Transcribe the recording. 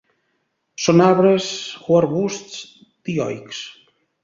Són arbres o arbusts dioics.